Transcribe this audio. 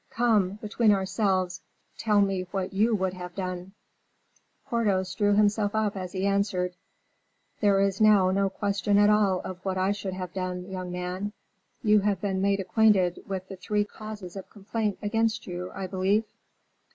Come, between ourselves, tell me what you would have done?" Porthos drew himself up as he answered: "There is now no question at all of what I should have done, young man; you have been made acquainted with the three causes of complaint against you, I believe?"